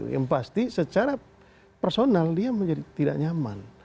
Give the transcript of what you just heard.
yang pasti secara personal dia menjadi tidak nyaman